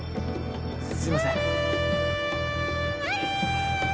すいません。